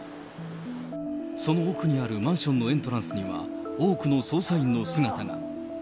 その奥にあるマンションのエントランスには、多くの捜査員の姿が。